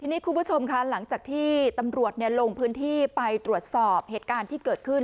ทีนี้คุณผู้ชมค่ะหลังจากที่ตำรวจลงพื้นที่ไปตรวจสอบเหตุการณ์ที่เกิดขึ้น